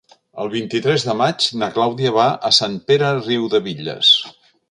El vint-i-tres de maig na Clàudia va a Sant Pere de Riudebitlles.